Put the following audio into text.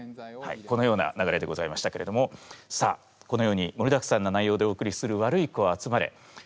はいこのような流れでございましたけれどもさあこのようにもりだくさんな内容でお送りする「ワルイコあつまれ」。